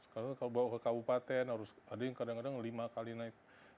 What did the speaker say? karena kalau bawa ke kabupaten harus ada yang kadang kadang lima kali naik